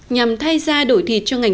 nhằm thay ra đổi thịt cho ngành nông nghiệp